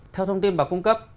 theo thông tin bà cung cấp